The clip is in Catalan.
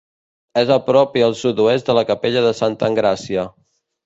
És a prop i al sud-oest de la capella de Santa Engràcia.